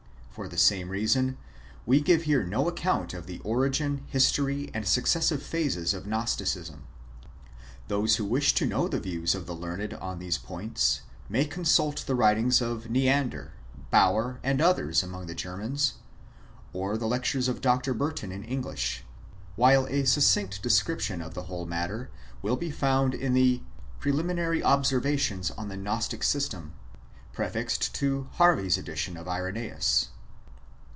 For the same reason, we give here no account of the origin, his tory, and successive phases of Gnosticism. Those who wish to know the views of the learned on these points, may consult the writings of Neander, Baur, and others, among the Ger INTRODUCTOBY NOTICE. xvii mans, or the lectures of Dr. Burton in English ; while a succinct description of the whole matter will be found in the " Preliminary Observations on the Gnostic System/' prefixed to Harvey's edition of Irenseus.